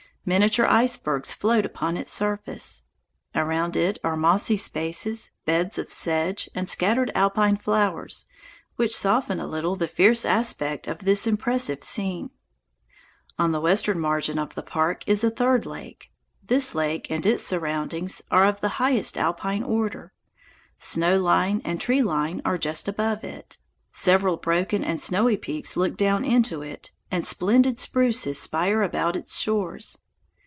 Miniature icebergs float upon its surface. Around it are mossy spaces, beds of sedge, and scattered alpine flowers, which soften a little the fierce aspect of this impressive scene. On the western margin of the park is a third lake. This lake and its surroundings are of the highest alpine order. Snow line and tree line are just above it. Several broken and snowy peaks look down into it, and splendid spruces spire about its shores.